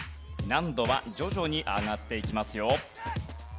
難度は徐々に上がっていきますよ。